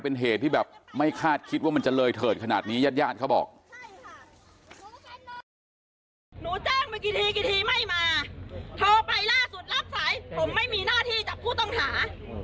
ผมไม่มีหน้าที่จับผู้ต้องหา